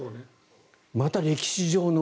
また歴史上の。